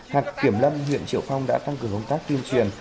hạc kiểm lâm huyện triệu phong đã tăng cường công tác tiên truyền